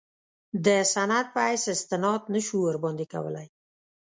د سند په حیث استناد نه شو ورباندې کولای.